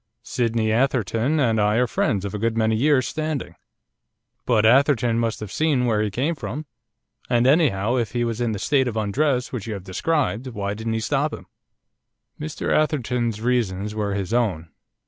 Sydney Atherton and I are friends of a good many years' standing. But Atherton must have seen where he came from; and, anyhow, if he was in the state of undress which you have described, why didn't he stop him?' 'Mr Atherton's reasons were his own.